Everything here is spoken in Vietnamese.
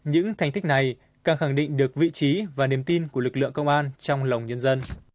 những thành tích này càng khẳng định được vị trí và niềm tin của lực lượng công an trong lòng nhân dân